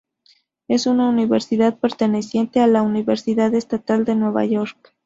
Es una universidad perteneciente a la Universidad Estatal de Nueva York.